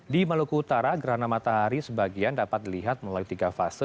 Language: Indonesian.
di maluku utara gerhana matahari sebagian dapat dilihat melalui tiga fase